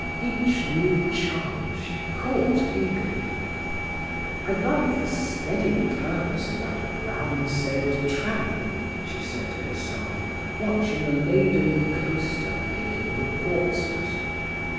Each new charm she caught eagerly. "I like the steady purpose of that brown sailed tramp," she said to herself, watching a laden coaster making for Portsmouth.